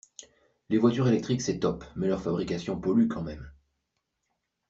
Les voitures electriques c'est top mais leur fabrication pollue quand même.